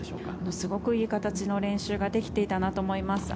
すごくいい形の練習ができていたなと思います。